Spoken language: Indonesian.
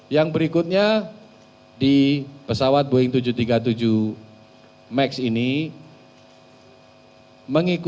yang berikutnya di pesawat boeing tujuh ratus tiga puluh tujuh max ini